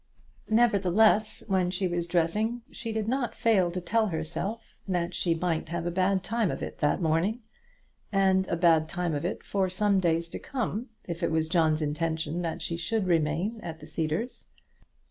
Nevertheless, when she was dressing, she did not fail to tell herself that she might have a bad time of it that morning, and a bad time of it for some days to come, if it was John's intention that she should remain at the Cedars.